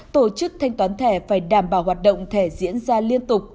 tổ chức thanh toán thẻ phải đảm bảo hoạt động thẻ diễn ra liên tục